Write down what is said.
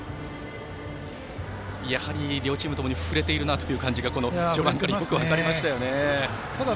やはり、両チームともに振れているなという感じが序盤からよく分かりましたよね。